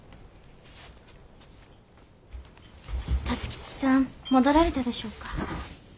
辰吉さん戻られたでしょうか。